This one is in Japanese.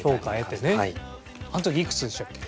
あの時いくつでしたっけ？